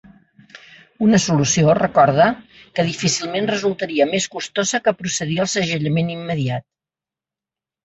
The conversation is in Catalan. Una solució, recorda, que difícilment resultaria més costosa que procedir al segellament immediat.